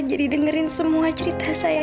jadi dengerin semua cerita saya